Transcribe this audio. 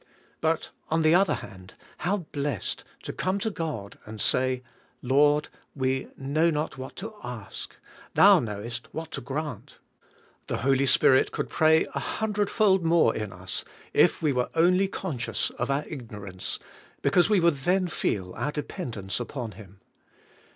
But on the other hand, how blessed to come to God and say, "Lord, we know not what to ask. Thou knowest what to grant." The Holy Spirit could pray a hundred fold more in us if we were only conscious of our ignorance, because we would then feel our dependence upon Him.